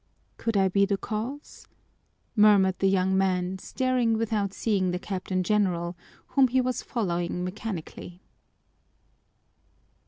"Could I be the cause?" murmured the young man, staring without seeing the Captain General, whom he was following mechanically.